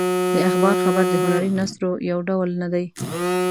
د اخبار خبر د هنري نثر یو ډول نه دی.